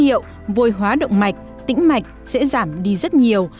chất niệu vôi hóa động mạch tĩnh mạch sẽ giảm đi rất nhiều